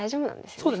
そうですね。